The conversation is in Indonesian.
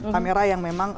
kamera yang memang